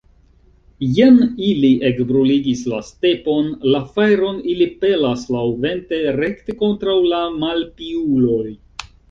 Jen ili ekbruligis la stepon, la fajron ili pelas laŭvente rekte kontraŭ la malpiuloj!